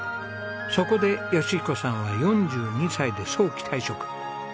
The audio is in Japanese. そこで義彦さんは４２歳で早期退職。